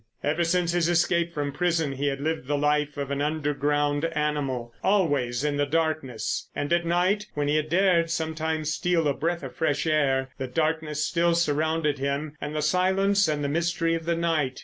Ever since his escape from prison he had lived the life of an underground animal. Always in the darkness. And at night, when he had dared sometimes steal a breath of fresh air; the darkness still surrounded him and the silence and the mystery of the night.